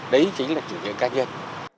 đấy chính là chủ nghĩa cá nhân